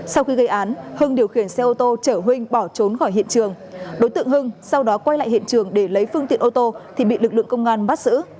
sau khi gây án hưng điều khiển xe ô tô chở huynh bỏ trốn khỏi hiện trường đối tượng hưng sau đó quay lại hiện trường để lấy phương tiện ô tô thì bị lực lượng công an bắt giữ